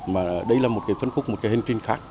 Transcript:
mà đây là một cái phân khúc một cái hành trình khác